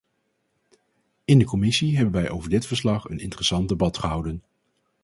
In de commissie hebben wij over dit verslag een interessant debat gehouden.